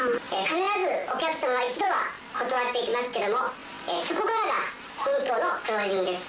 必ずお客様は、一度は断ってきますけども、そこからが本当のクロージングです。